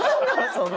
その。